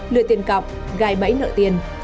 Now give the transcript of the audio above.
lừa tiền cọc gai bẫy nợ tiền